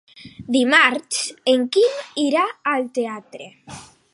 Dimarts en Quim irà al teatre.